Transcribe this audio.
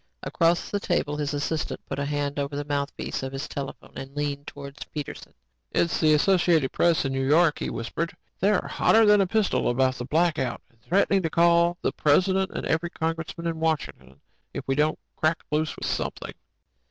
Across the table, his assistant put a hand over the mouthpiece of his telephone and leaned towards Peterson. "It's the Associated Press in New York," he whispered. "They're hotter than a pistol about the blackout and threatening to call the President and every congressman in Washington if we don't crack loose with something."